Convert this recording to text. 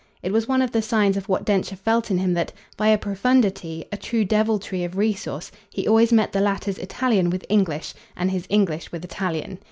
It was one of the signs of what Densher felt in him that, by a profundity, a true deviltry of resource, he always met the latter's Italian with English and his English with Italian.